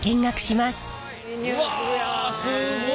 うわすごい！